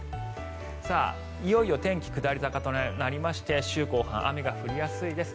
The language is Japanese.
いよいよ天気が下り坂となりまして週後半、雨が降りやすいです。